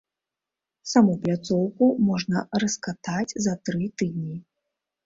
Саму пляцоўку можна раскатаць за тры дні.